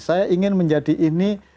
saya ingin menjadi ini